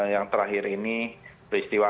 yang terakhir ini peristiwa